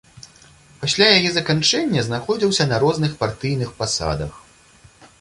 Пасля яе заканчэння знаходзіўся на розных партыйных пасадах.